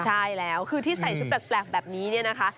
ใช่แล้วคือที่ใส่ชุดแปลกแบบนี้เนี่ยนะคะ